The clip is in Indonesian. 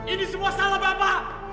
ini semua salah bapak